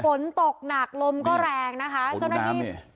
ฝนตกหนักลมก็แรงนะคะโณ่น้ำนี่